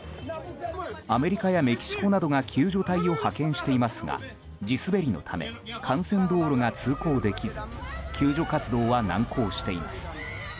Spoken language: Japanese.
アメリカやメキシコなどが救助隊を派遣していますが地滑りのため幹線道路が通行できず救助活動は難航しています。